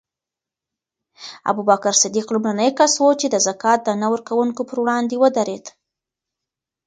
ابوبکر صدیق لومړنی کس و چې د زکات د نه ورکوونکو پر وړاندې ودرېد.